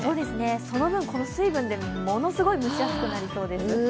その分、水分でものすごい蒸し暑くなりそうです。